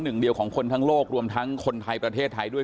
หนึ่งเดียวของคนทั้งโลกรวมทั้งคนไทยประเทศไทยด้วย